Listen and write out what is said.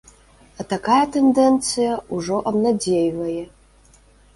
А такая тэндэнцыя ўжо абнадзейвае.